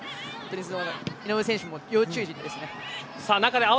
井上選手も要注意人物ですね。